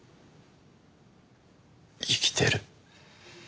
生きてる。